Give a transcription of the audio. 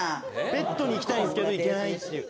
ベッドに行きたいんですけど行けないっていう。